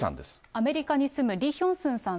アメリカに住むリ・ヒョンスンさん